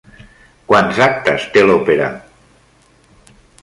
Quants actes té l'òpera?